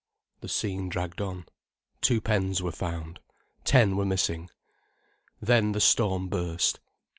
The scene dragged on. Two pens were found: ten were missing. Then the storm burst.